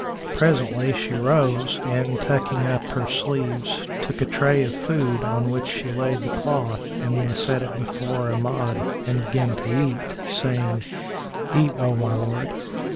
Presently she rose and, tucking up her sleeves, took a tray of food on which she laid the cloth and then set it before Amjad and began to eat, saying, "Eat, O my lord."